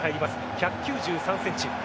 １９３ｃｍ。